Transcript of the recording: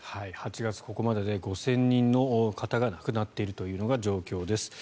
８月、ここまでで５０００人の方が亡くなっているというのが状況です。